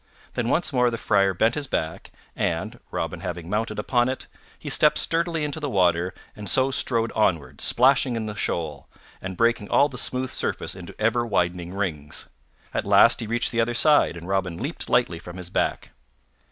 Then once more the Friar bent his back, and, Robin having mounted upon it, he stepped sturdily into the water and so strode onward, splashing in the shoal, and breaking all the smooth surface into ever widening rings. At last he reached the other side and Robin leaped lightly from his back.